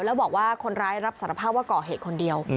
แล้วบอกว่าคนร้ายรับสารภาพว่าก่อเหตุคนเดียว